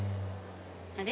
あれ？